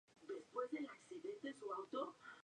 Actualmente se emite en la cadena El Día Televisión